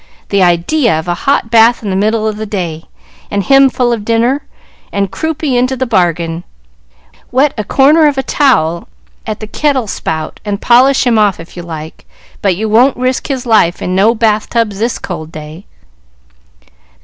The idea of a hot bath in the middle of the day, and him full of dinner, and croupy into the bargain! Wet a corner of a towel at the kettle spout and polish him off if you like, but you won't risk his life in no bath tubs this cold day."